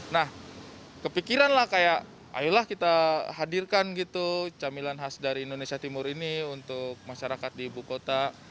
nah kepikiran lah kayak ayolah kita hadirkan gitu camilan khas dari indonesia timur ini untuk masyarakat di ibu kota